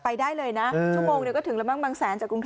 ไปได้เลยนะชั่วโมงก็ถึงละมั่งมั่งแสนจากกรุงเทพฯ